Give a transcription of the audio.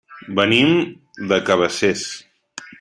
Venim de Cabacés.